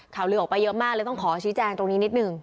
ข่าวลือออกไปเยอะมากเลยต้องขอชี้แจงตรงนี้นิดหนึ่ง